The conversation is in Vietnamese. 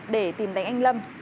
để tìm đánh anh lâm